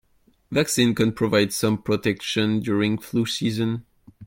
Vaccines can provide some protection during flu season.